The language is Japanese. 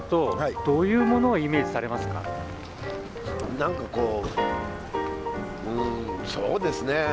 何かこううんそうですね